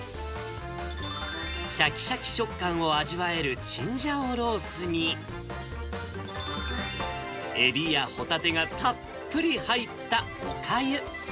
しゃきしゃき食感を味わえるチンジャオロースに、エビやホタテがたっぷり入ったおかゆ。